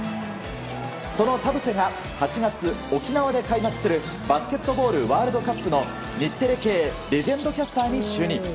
その田臥が８月、沖縄で開幕するバスケットボールワールドカップの日テレ系レジェンドキャスターに就任。